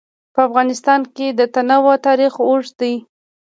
په افغانستان کې د تنوع تاریخ اوږد دی.